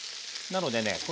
なのでね